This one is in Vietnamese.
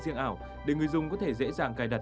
riêng ảo để người dùng có thể dễ dàng cài đặt